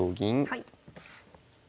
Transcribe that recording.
はい。